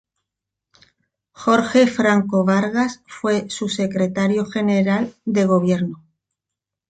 Jorge Franco Vargas fue su secretario general de Gobierno.